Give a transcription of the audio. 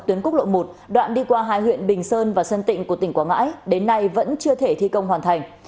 tuyến quốc lộ một đoạn đi qua hai huyện bình sơn và sơn tịnh của tỉnh quảng ngãi đến nay vẫn chưa thể thi công hoàn thành